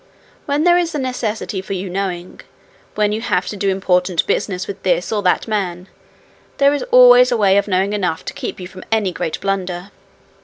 When there is a necessity for your knowing, when you have to do important business with this or that man, there is always a way of knowing enough to keep you from any great blunder.